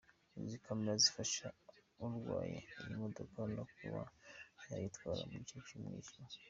Izi camera zifasha utwaye iyi modoka no kuba yayitwara mu gihe cy’umwijima.